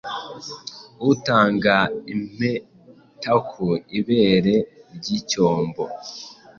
Utanga impetaku ibere ryicyombo